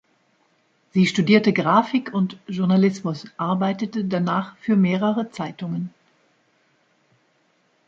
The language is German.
Sie studierte Graphik und Journalismus, arbeitete danach für mehrere Zeitungen.